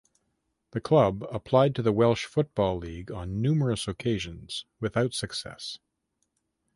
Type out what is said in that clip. The club applied to the Welsh Football League on numerous occasions without success.